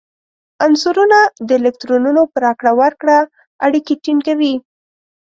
عنصرونه د الکترونونو په راکړه ورکړه اړیکې ټینګوي.